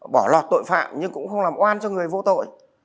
bỏ lọt tội phạm nhưng cũng không làm oan cho người vô tội